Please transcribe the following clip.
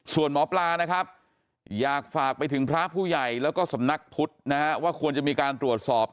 ส่วนหมอปลานะครับอยากฝากไปถึงพระผู้ใหญ่แล้วก็สำนักพุทธนะฮะว่าควรจะมีการตรวจสอบ